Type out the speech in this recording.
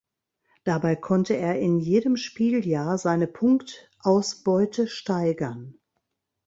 Dabei konnte er in jedem Spieljahr seine Punktausbeute steigern.